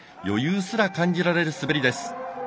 余裕すら感じられる滑りです。